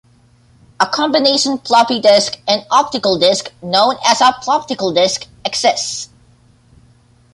A combination floppy disk and optical disc, known as a Floptical disk exists.